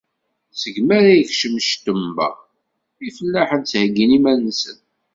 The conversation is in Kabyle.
Segmi ara yekcem cṭember, ifellaḥen ttheyyin iman-nsen.